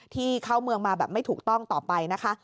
ที่เข้าเมืองมาแบบไม่ถูกต้องต่อไปนะคะ